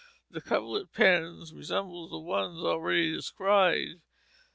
The coverlet patterns resemble the ones already described.